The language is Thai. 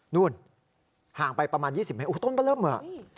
นู่นห่างไปประมาณ๒๐เมตรต้นก็เริ่มอะ